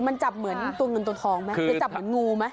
มันจับเหมือนตัวเงินตัวทองไหมหรือจับเหมือนงูไหม